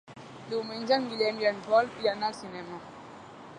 Diumenge en Guillem i en Pol iran al cinema.